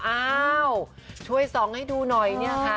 อ้าวช่วยสองให้ดูหน่อย